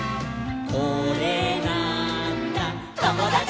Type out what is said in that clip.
「これなーんだ『ともだち！』」